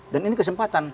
dan ini kesempatan